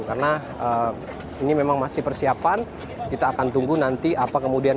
karena ini memang masih persiapan kita akan tunggu nanti apa kemudian